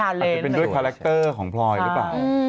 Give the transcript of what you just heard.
อาจจะเป็นด้วยคาแรคเตอร์ของพลอยหรือเปล่า